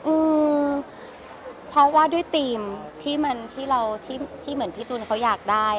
อืมเพราะว่าด้วยทีมที่เหมือนพี่ตูนเขาอยากได้